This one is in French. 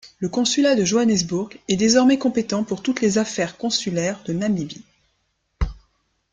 Le Consulat de Johannesburg est désormais compétent pour toutes les affaires consulaires de Namibie.